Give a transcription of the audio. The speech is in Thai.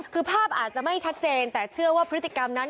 คือภาพอาจจะไม่ชัดเจนแต่เชื่อว่าพฤติกรรมนั้น